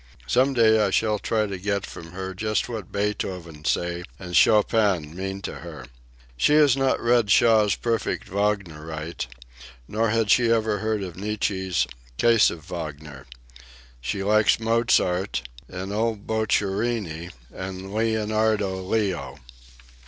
Some day I shall try to get from her just what Beethoven, say, and Chopin, mean to her. She has not read Shaw's Perfect Wagnerite, nor had she ever heard of Nietzsche's Case of Wagner. She likes Mozart, and old Boccherini, and Leonardo Leo.